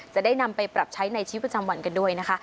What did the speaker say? จะได้นำไปปรับใช้ในชีวิตประจำวันกันด้วยนะคะ